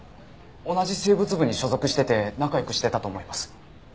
同じ生物部に所属してて仲良くしてたと思います。